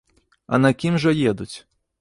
А на кім жа едуць?